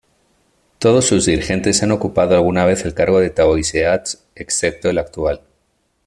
Todos sus dirigentes han ocupado alguna vez el cargo de Taoiseach, excepto el actual.